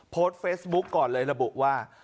โพสต์เฟซบุ๊กก่อนเลยระบุว่า